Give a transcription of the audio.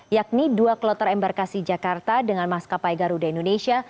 yakni dua kloter embarkasi jakarta dengan maskapai garuda indonesia